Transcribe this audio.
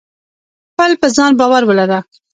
خپل په ځان باور ولره.